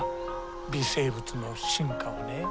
微生物の進化はね